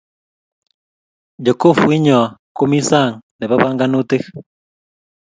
Jokofuinyo komie sang nebo panganutik